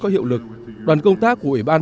có hiệu lực đoàn công tác của ủy ban